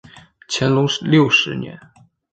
乾隆六十年。